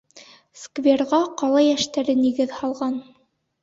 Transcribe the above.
Скверға ҡала йәштәре нигеҙ һалған.